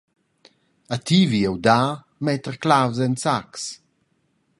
A ti vi jeu dar metter clavs en sacs.